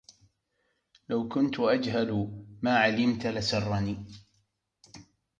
لو كنت أجهل ما علمت لسرني